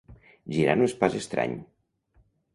Girar no és pas estrany.